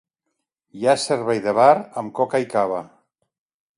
Hi ha servei de bar amb coca i cava.